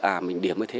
à mình điểm như thế